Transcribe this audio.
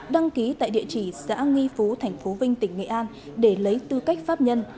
đăng ký tại địa chỉ xã nghi phú thành phố vinh tỉnh nghệ an để lấy tư cách pháp nhân